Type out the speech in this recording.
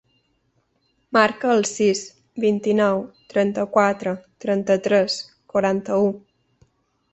Marca el sis, vint-i-nou, trenta-quatre, trenta-tres, quaranta-u.